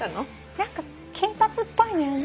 何か金髪っぽいのよね。